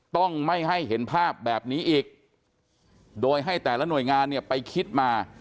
ต้องไม่ให้เห็นภาพแบบนี้อีกโดยให้แต่ละหน่วยงานเนี่ยไปคิดมา